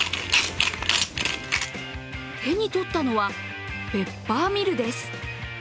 手にとったのは、ペッパーミルです。